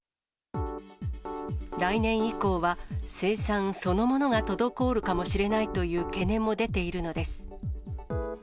来年以降は、生産そのものが滞るかもしれないという懸念も出ているのです。